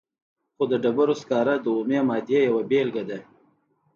خو د ډبرو سکاره د اومې مادې یوه بیلګه ده.